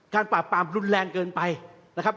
การปรากฏปางรุนแรงเกินไปนะครับ